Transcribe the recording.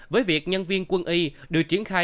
với việc nhân viên quân y được triển khai